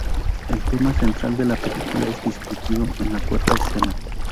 El tema central de la película es discutido en la cuarta escena.